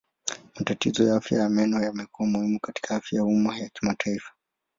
Matatizo ya afya ya meno yamekuwa muhimu katika afya ya umma ya kimataifa.